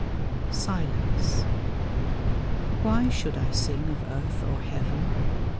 SILENCE Why should I sing of earth or heaven?